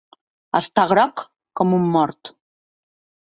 Està groc com un mort.